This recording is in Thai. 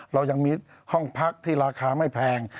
เรายังมีห้องพักที่ราคาไม่แพง